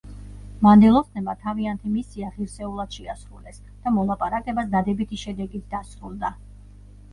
მანდილოსნებმა თავიანთი მისია ღირსეულად შეასრულეს და მოლაპარაკებაც დადებითი შედეგით დასრულდა.